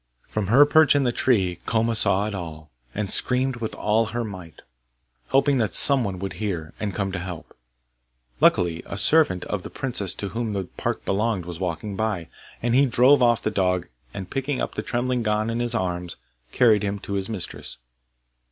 From her perch in the tree Koma saw it all, and screamed with all her might, hoping that some one would hear, and come to help. Luckily a servant of the princess to whom the park belonged was walking by, and he drove off the dog, and picking up the trembling Gon in his arms, carried him to his mistress.